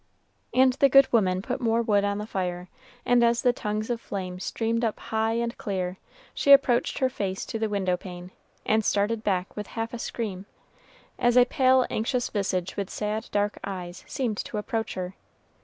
And the good woman put more wood on the fire, and as the tongues of flame streamed up high and clear, she approached her face to the window pane and started back with half a scream, as a pale, anxious visage with sad dark eyes seemed to approach her.